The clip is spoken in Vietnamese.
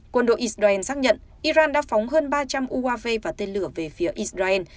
quân đội israel xác nhận iran đã phóng hơn ba trăm linh uav và tên lửa về phía israel